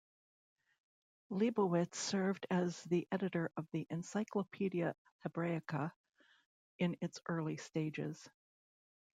Leibowitz served as the editor of the "Encyclopaedia Hebraica" in its early stages.